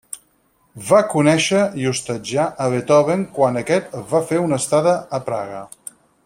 Va conèixer i hostatjà a Beethoven quan aquest va fer una estada a Praga.